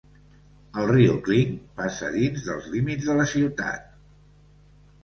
El riu Clinch passa dins dels límits de la ciutat.